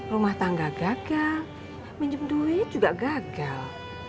rumah tangga gagal minjem duit juga gagal